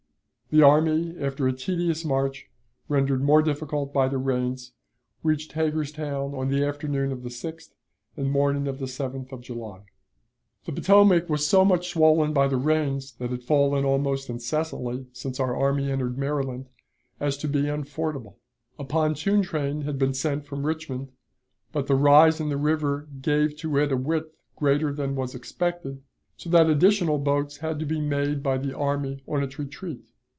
The army, after a tedious march, rendered more difficult by the rains, reached Hagerstown on the afternoon of the 6th and morning of the 7th of July. The Potomac was so much swollen by the rains, that had fallen almost incessantly since our army entered Maryland, as to be unfordable. A pontoon train had been sent from Richmond, but the rise in the river gave to it a width greater than was expected, so that additional boats had to be made by the army on its retreat.